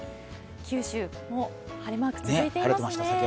九州も晴れマークが続いていますね。